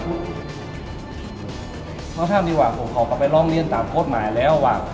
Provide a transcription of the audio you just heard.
เพราะฉะนั้นดีกว่าผมเขาก็ไปร่องเรียนตามโฆษณ์หมายแล้วอ่ะ